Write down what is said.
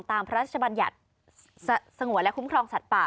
พระราชบัญญัติสงวนและคุ้มครองสัตว์ป่า